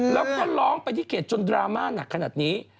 แล้วก็ร้องไปที่เขตจนดราม่าหนักขนาดนี้